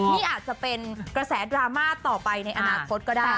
นี่อาจจะเป็นกระแสดราม่าต่อไปในอนาคตก็ได้